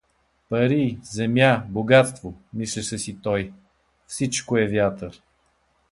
Пари, земя, богатство — мислеше си той, — всичко е вятър!